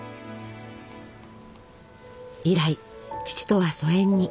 以来父とは疎遠に。